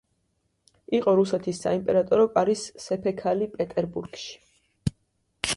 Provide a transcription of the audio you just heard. იყო რუსეთის საიმპერატორო კარის სეფექალი პეტერბურგში.